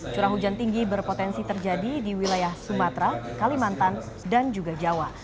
curah hujan tinggi berpotensi terjadi di wilayah sumatera kalimantan dan juga jawa